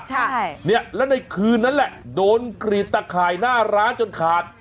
ใช่เนี่ยแล้วในคืนนั้นแหละโดนกรีดตะข่ายหน้าร้านจนขาด